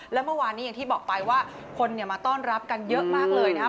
และเมื่อวานนี้อย่างที่บอกไปว่าคนมาต้อนรับกันเยอะมากเลยนะครับ